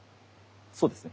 そうですね